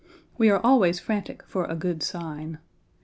We are always frantic for a good sign.